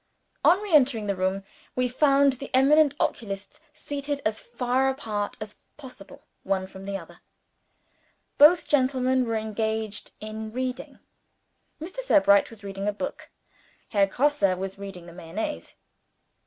On re entering the room, we found the eminent oculists seated as far apart as possible one from the other. Both gentlemen were engaged in reading. Mr. Sebright was reading a book. Herr Grosse was reading the Mayonnaise.